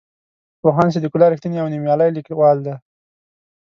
پوهاند صدیق الله رښتین یو نومیالی لیکوال دی.